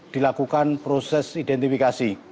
dilakukan proses identifikasi